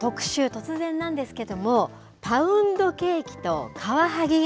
突然なんですけども、パウンドケーキとカワハギ。